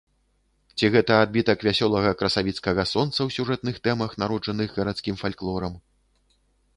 Ці гэта адбітак вясёлага красавіцкага сонца ў сюжэтных тэмах, народжаных гарадскім фальклорам?